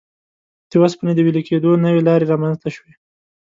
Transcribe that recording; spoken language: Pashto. د اوسپنې د وېلې کېدو نوې لارې رامنځته شوې.